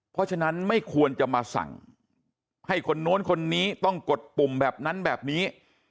เพราะฉะนั้นไม่ควรจะมาสั่งให้คนนู้นคนนี้ต้องกดปุ่มแบบนั้นแบบนี้